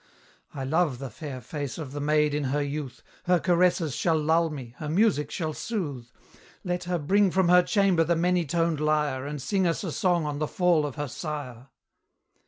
I love the fair face of the maid in her youth; Her caresses shall lull me, her music shall soothe: Let her bring from her chamber the many toned lyre, And sing us a song on the fall of her sire.